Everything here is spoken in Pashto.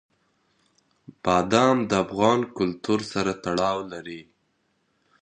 بادام د افغان کلتور سره تړاو لري.